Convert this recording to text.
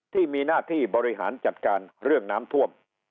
ที่มีหน้าที่บริหารจัดการเรื่องน้ำท่วม